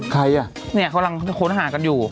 ใครน่ะค้นหากันอยู่